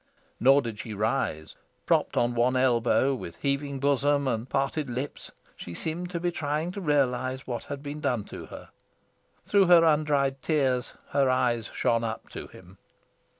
Nor did she rise. Propped on one elbow, with heaving bosom and parted lips, she seemed to be trying to realise what had been done to her. Through her undried tears her eyes shone up to him.